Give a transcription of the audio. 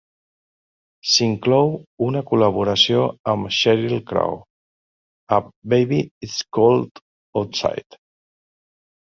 S'hi inclou una col·laboració amb Sheryl Crow a "Baby, It's Cold Outside".